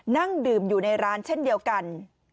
นั่งดื่มอยู่ในร้านเช่นเดียวกัน